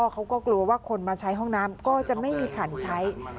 เขาก็กลัวว่าคนมาใช้ห้องน้ำก็จะไม่มีขันใช้